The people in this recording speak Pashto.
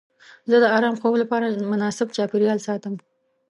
زه د ارام خوب لپاره مناسب چاپیریال ساتم.